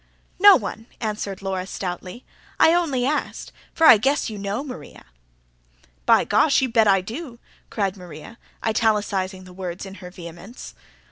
"No one," answered Laura stoutly. "I only asked. For I guess you KNOW, Maria." "By gosh, you bet I do!" cried Maria, italicising the words in her vehemence.